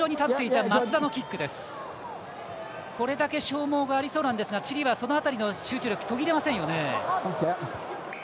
これだけ消耗がありそうなんですがチリはその辺り集中力、途切れませんよね。